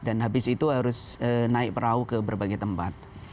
dan habis itu harus naik perahu ke berbagai tempat